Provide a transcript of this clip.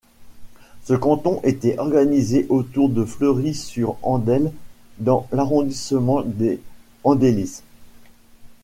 Ce canton était organisé autour de Fleury-sur-Andelle dans l'arrondissement des Andelys.